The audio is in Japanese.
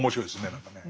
何かね。